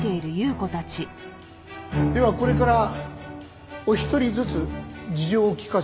ではこれからお一人ずつ事情を聴かせて頂きます。